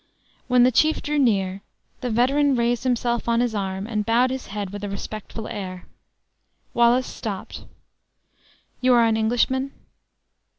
When the chief drew near, the veteran raised himself on his arm, and bowed his head with a respectful air. Wallace stopped. "You are an Englishman?"